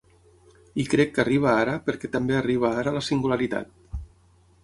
I crec que arriba ara perquè també arriba ara la singularitat.